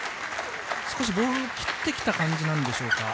少しボールを切ってきた感じでしょうか？